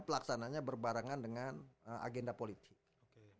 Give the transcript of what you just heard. pelaksananya berbarangan dengan agenda politik